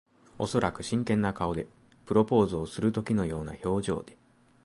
おそらく真剣な顔で。プロポーズをするときのような表情で。